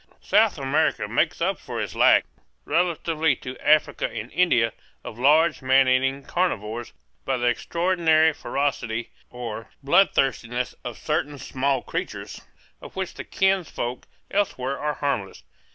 South America makes up for its lack, relatively to Africa and India, of large man eating carnivores by the extraordinary ferocity or bloodthirstiness of certain small creatures of which the kinsfolk elsewhere are harmless.